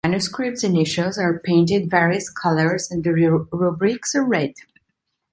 The manuscript's initials are painted various colors and the rubrics are red.